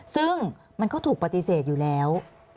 ซึ่งมันก็ถูกปฏิเสธอยู่แล้ว